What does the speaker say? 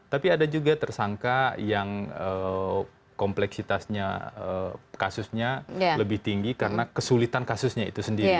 tapi ada juga tersangka yang kompleksitasnya kasusnya lebih tinggi karena kesulitan kasusnya itu sendiri